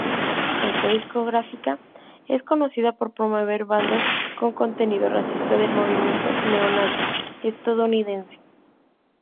Esta discográfica es conocida por promover bandas con contenido racista del movimiento neonazi estadounidense.